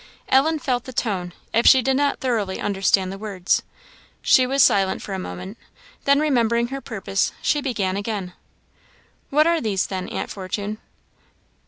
Ellen felt the tone, if she did not thoroughly understand the words. She was silent for a moment; then remembering her purpose, she began again "What are these, then, aunt Fortune?"